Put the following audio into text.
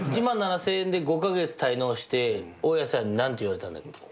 １万７，０００円で５カ月滞納して大家さんに何て言われたんだっけ？